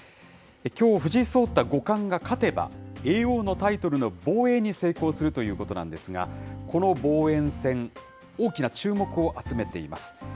きょう藤井聡太五冠が勝てば、叡王のタイトルの防衛に成功するということなんですが、この防衛戦、大きな注目を集めています。